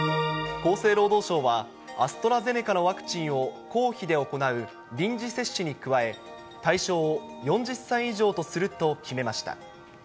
厚生労働省は、アストラゼネカのワクチンを公費で行う臨時接種に加え、対象を４０歳以上とすると決めました。